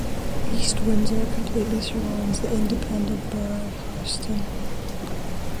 East Windsor completely surrounds the independent borough of Hightstown.